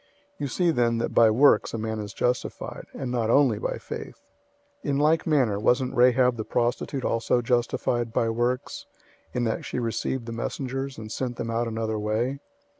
002:024 You see then that by works, a man is justified, and not only by faith. 002:025 In like manner wasn't Rahab the prostitute also justified by works, in that she received the messengers, and sent them out another way?